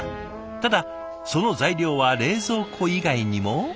ただその材料は冷蔵庫以外にも。